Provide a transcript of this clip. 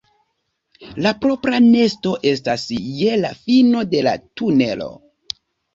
La propra nesto estas je la fino de la tunelo.